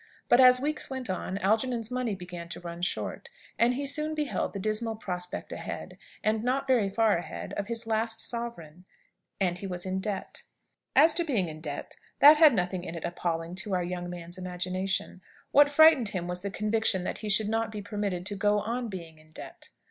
But, as weeks went on, Algernon's money began to run short; and he soon beheld the dismal prospect ahead and not very far ahead of his last sovereign. And he was in debt. As to being in debt, that had nothing in it appalling to our young man's imagination. What frightened him was the conviction that he should not be permitted to go on being in debt.